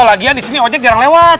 lagian disini ojek jarang lewat